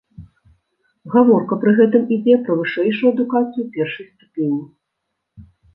Гаворка пры гэтым ідзе пра вышэйшую адукацыю першай ступені.